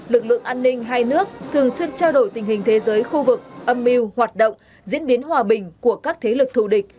lực lượng an ninh hai nước thường xuyên trao đổi tình hình thế giới khu vực âm mưu hoạt động diễn biến hòa bình của các thế lực thù địch